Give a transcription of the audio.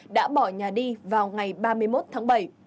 đã bỏ nhà đi vào ngày ba mươi một tháng bảy